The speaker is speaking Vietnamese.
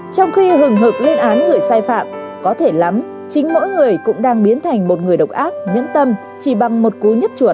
trong khi hừng hực lên án người sai phạm có thể lắm chính mỗi người cũng đang biến thành một người độc ác nhẫn tâm chỉ bằng một cú nhấp chuột